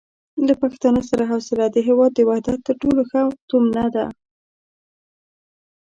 له پښتانه سره حوصله د هېواد د وحدت تر ټولو ښه تومنه ده.